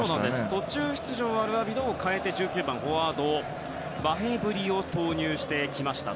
途中出場のアルアビドを代えて１９番のフォワードバヘブリを投入しました。